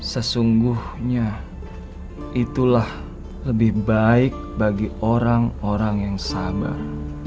sesungguhnya itulah lebih baik bagi orang orang yang sabar